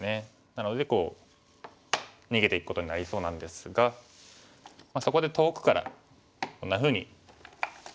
なのでこう逃げていくことになりそうなんですがそこで遠くからこんなふうに。